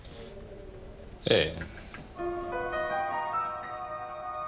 ええ。